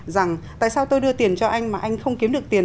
rằng tại sao tôi đưa tiền cho anh mà anh không kiếm được tiền